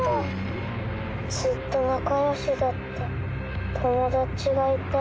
ずっと仲良しだった友達がいた。